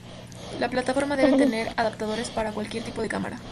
La plataforma debe tener adaptadores para cualquier tipo de cámara.